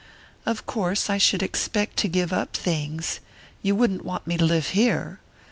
"Of course I should expect to give up things.... You wouldn't want me to live here?"